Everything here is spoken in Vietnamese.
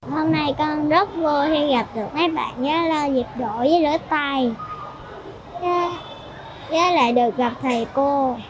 hôm nay con rất vui khi gặp được mấy bạn với dịp đổi với lưỡi tay với lại được gặp thầy cô